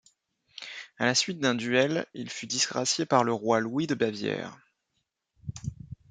À la suite d'un duel, il fut disgracié par le roi Louis de Bavière.